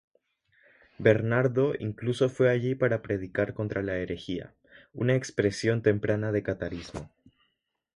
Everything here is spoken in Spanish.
Bernardo incluso fue allí para predicar contra la herejía, una expresión temprana de catarismo.